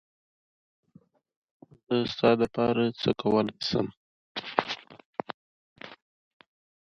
څېړونکي د دماغ او کولمو ترمنځ اړیکې مطالعه کوي.